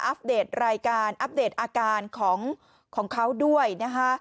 เดตรายการอัปเดตอาการของเขาด้วยนะคะ